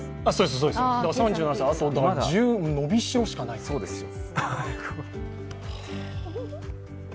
３７歳、あとは伸びしろしかないですよ。